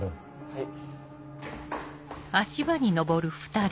はい。